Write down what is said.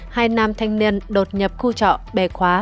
hai nam thanh niên đột nhập khu trọ bề khóa